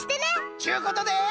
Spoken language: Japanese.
ちゅうことで。